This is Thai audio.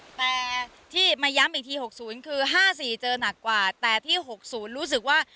ค่ะแต่ที่มาย้ำอีกทีหกศูนย์คือห้าสี่เจอนักกว่าแต่ที่หกศูนย์รู้สึกว่า